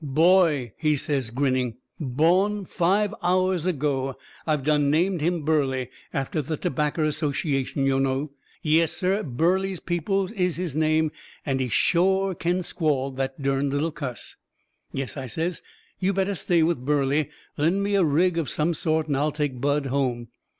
"Boy," he says, grinning, "bo'n five hours ago. I've done named him Burley after the tobaccer association, yo' know. Yes, SIR, Burley Peoples is his name and he shore kin squall, the derned little cuss!" "Yes," I says, "you better stay with Burley. Lend me a rig of some sort and I'll take Bud home."